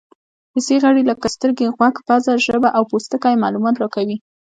حسي غړي لکه سترګې، غوږ، پزه، ژبه او پوستکی معلومات راکوي.